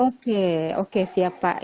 oke oke siapapun